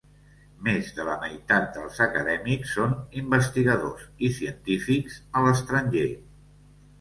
Més de la meitat dels acadèmics són investigadors i científics a l'estranger.